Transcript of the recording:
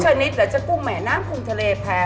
กุ้งเฉินนิดหรือจะกุ้งแหมน้ำกุ้งทะเลแพ้